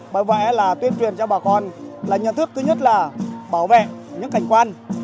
bởi vậy là tuyên truyền cho bà con là nhận thức thứ nhất là bảo vệ những cảnh quan